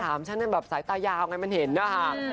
ถามฉะนั้นแบบสายตายาวไงมันเห็นนะครับ